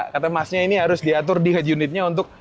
katanya masnya ini harus diatur di head unitnya untuk